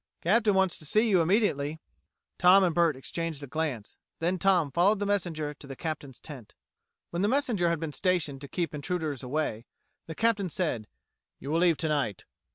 "Cap'n wants to see you immediately." Tom and Bert exchanged a glance; then Tom followed the messenger to the Captain's tent. When the messenger had been stationed to keep intruders away, the Captain said: "You will leave tonight.